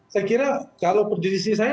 saya kira kalau prediksi saya